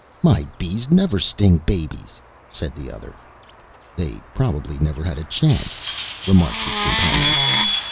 "My bees never sting babies," said the other. "They probably never had a chance," remarked his companion.